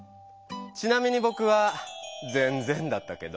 ちなみにぼくはぜんぜんだったけど！